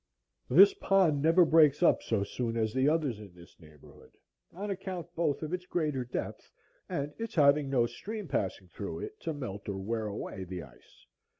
This pond never breaks up so soon as the others in this neighborhood, on account both of its greater depth and its having no stream passing through it to melt or wear away the ice.